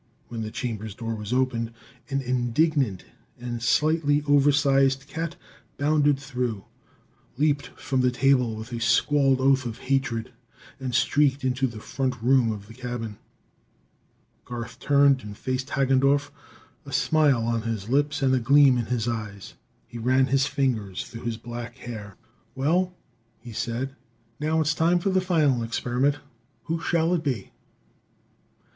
When the chamber's door was opened, an indignant and slightly oversized cat bounded through, leaped from the table with a squawled oath of hatred and streaked into the front room of the cabin. Garth turned and faced Hagendorff, a smile on his lips and a gleam in his eyes. He ran his fingers through his black hair. "Well," he said, "now it's time for the final experiment. Who shall it be?"